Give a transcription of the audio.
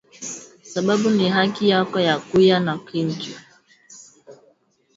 Sababu ni haki yako ya kuya na kintu